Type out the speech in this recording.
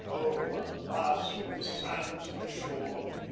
Oh, alas for the sands of the shore!